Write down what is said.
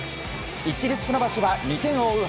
市立船橋は２点を追う